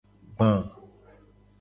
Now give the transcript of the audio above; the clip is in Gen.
Gba.